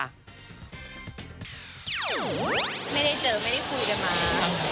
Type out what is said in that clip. ไม่ได้เจอไม่ได้คุยกันมา